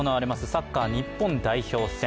サッカー日本代表戦。